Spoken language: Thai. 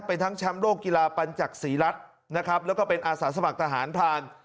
เป็นทั้งแชมป์โลกกีฬาปัญจักษีรัฐนะครับแล้วก็เป็นอาสาสมัครทหารพราน